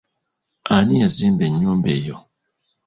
Ani yazimba ennyumba eyo?